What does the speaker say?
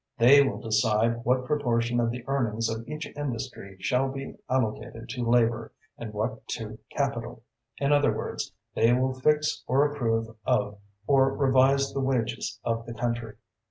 They will decide what proportion of the earnings of each industry shall be allocated to labour and what to capital. In other words, they will fix or approve of or revise the wages of the country.